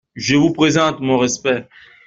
Je vous présente mon respect.